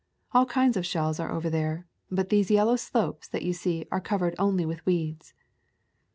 All kinds of shells are over there; but these yellow slopes that you see are covered only with weeds."